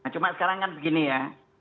cuma sekarang kan begini ya